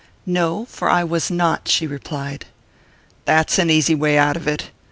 "No for I was not," she replied. "That's an easy way out of it.